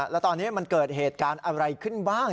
แล้วตอนนี้มันเกิดเหตุการณ์อะไรขึ้นบ้าง